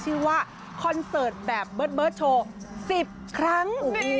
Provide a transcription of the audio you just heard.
ชื่อว่าคอนเซอร์ตบแบบเบิร์ดเบิร์ดโชว์๑๐ครั้ง